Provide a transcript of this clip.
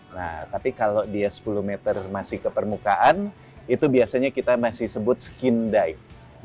nah tapi kalau dia sepuluh meter masih ke permukaan itu biasanya kita masih sebut skin dive